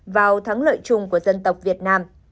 vào thắng lợi chung của dân tộc việt nam